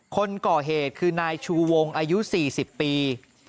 คนก่อเหตุคือนายชูวงอายุ๔๐ปี